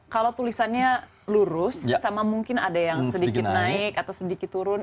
kalau tulisannya lurus sama mungkin ada yang sedikit naik atau sedikit turun